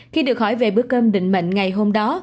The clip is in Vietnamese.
khi được hỏi về bữa cơm định mệnh ngày hôm đó